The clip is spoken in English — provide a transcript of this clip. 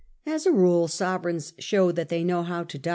As a rule sovereigns show that they know how to 1837.